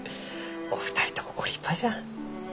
お二人ともご立派じゃ。